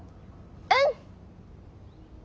うん！